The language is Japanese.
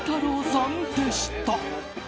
さんでした。